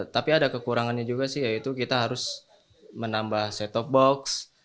tapi ada kekurangannya juga sih yaitu kita harus menambah set top box